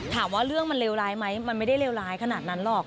ถามว่าเรื่องมันเลวร้ายไหมมันไม่ได้เลวร้ายขนาดนั้นหรอก